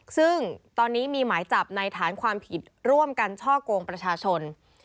ซึ่งตอนนี้มีหมายจับในฐานความผิดร่วมกันช่อกงประชาชน